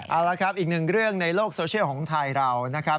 เอาละครับอีกหนึ่งเรื่องในโลกโซเชียลของไทยเรานะครับ